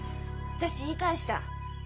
私言い返した。